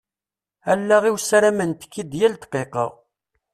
Allaɣ-iw ssarament-k-id yal ddqiqa.